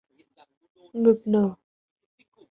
Ngực nở